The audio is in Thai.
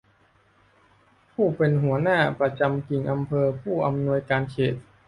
ผู้เป็นหัวหน้าประจำกิ่งอำเภอผู้อำนวยการเขต